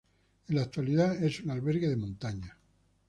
En la actualidad es un albergue de montaña.